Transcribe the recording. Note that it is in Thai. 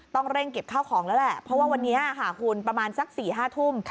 ต้องเร่งเก็บข้าวของแล้วแหละเพราะว่าวันนี้ค่ะคุณประมาณสัก๔๕ทุ่ม